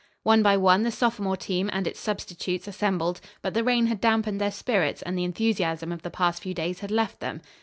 One by one the sophomore team and its substitutes assembled, but the rain had dampened their spirits and the enthusiasm of the past few days had left them.